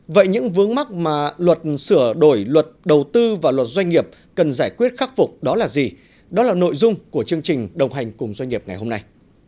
vậy những vướng mắt mà luật sửa đổi luật đầu tư và luật doanh nghiệp cần giải quyết khắc phục đó là gì đó là nội dung của chương trình đồng hành cùng doanh nghiệp ngày hôm nay